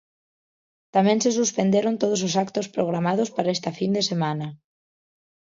Tamén se suspenderon todos os actos programados para esta fin de semana.